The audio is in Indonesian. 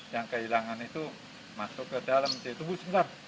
yang kehilangan itu masuk ke dalam jadi tunggu sebentar